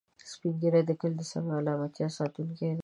سپین ږیری د کلي د سلامتیا ساتونکي دي